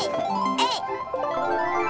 えい！